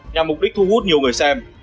nhằm mục đích thu hút nhiều người xem